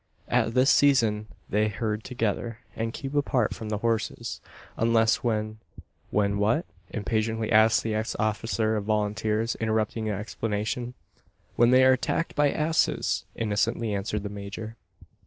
At this season they herd together, and keep apart from the horses; unless when " "When what?" impatiently asked the ex officer of volunteers, interrupting the explanation. "When they are attacked by asses," innocently answered the major.